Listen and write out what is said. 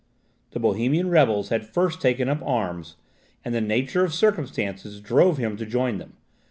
The Bohemian rebels had first taken up arms, and the nature of circumstances drove him to join them.